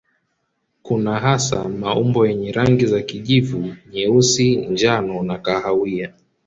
Kuna hasa maumbo yenye rangi za kijivu, nyeusi, njano na kahawia.